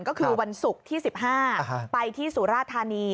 ก็คือวันศุกร์ที่๑๕ไปที่สุราธานี